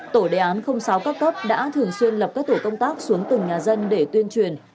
tổ đề án sáu các cấp đã thường xuyên lập các tổ công tác xuống từng nhà dân để tuyên truyền